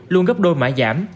luôn gấp đôi mã giảm